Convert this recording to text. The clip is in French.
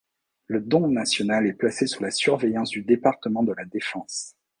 Le Don national est placé sous la surveillance du Département de la défense.